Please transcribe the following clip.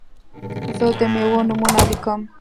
زه د میوو نومونه لیکم.